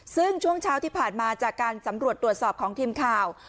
ซึ่งช่วงเช้าที่ผ่านมาจากการสำรวจตรวจสอบของทีมข่าว